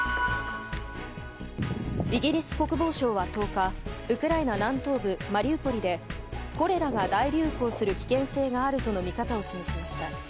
イギリス国防省は１０日ウクライナ南東部マリウポリでコレラが大流行する危険性があるとの見方を示しました。